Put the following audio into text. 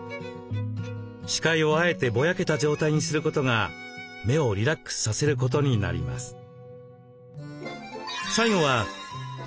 視界をあえてぼやけた状態にすることが目をリラックスさせることになります。